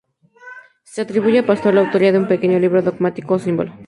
Se atribuye a Pastor la autoría de un pequeño libro dogmático o símbolo.